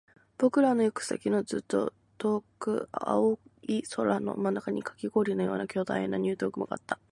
僕らの行く先のずっと遠く、青い空の真ん中にカキ氷のような巨大な入道雲があった